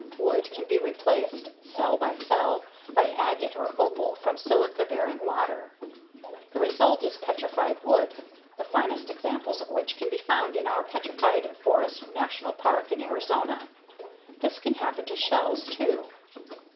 Wood can be replaced cell by cell by agate or opal from silica bearing water. The result is petrified wood, the finest examples of which can be found in our Petrified Forest National Park in Arizona. This can happen to shells, too.